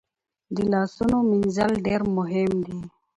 د لاسونو مینځل ډیر مهم دي۔